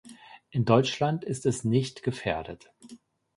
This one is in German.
In Deutschland ist es nicht gefährdet.